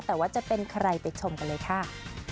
แต่ว่าจะเป็นใครไปชมกันเลยค่ะ